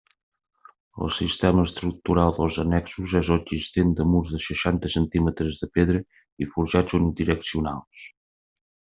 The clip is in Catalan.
El sistema estructural dels annexos és l'existent de murs de seixanta centímetres de pedra i forjats unidireccionals.